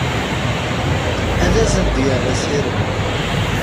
Ad asen-d-yerr asirem.